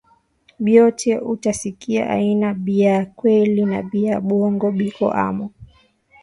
Byote uta sikia aina bya kweli na bya bongo biko amo